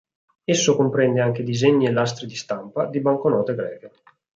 Esso comprende anche disegni e lastre di stampa di banconote greche.